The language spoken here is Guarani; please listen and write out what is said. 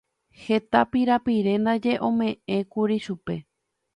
Heta pirapire ndaje oñeme'ẽkuri chupe.